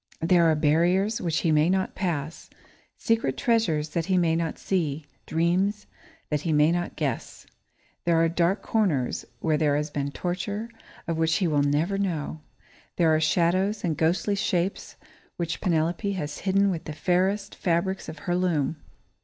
There are barriers which he may not pass, secret treasures that he may not see, dreams that he may not guess. There are dark corners where there has been torture, of which he will never know. There are shadows and ghostly shapes which Penelope has hidden with the fairest fabrics of her loom.